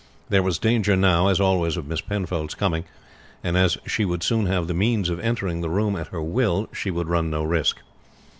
There was danger now as always of Miss Penfold's coming, and as she would soon have the means of entering the room at her will she would run no risk.